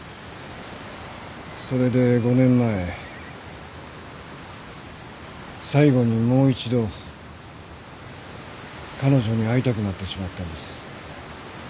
それで５年前最後にもう一度彼女に会いたくなってしまったんです。